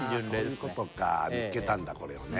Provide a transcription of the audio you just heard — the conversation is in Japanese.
あそういうことかみっけたんだこれをね